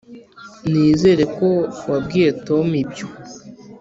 ] nizere ko wabwiye tom ibyo. (